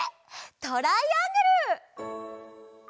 トライアングル！